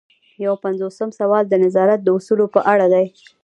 یو پنځوسم سوال د نظارت د اصولو په اړه دی.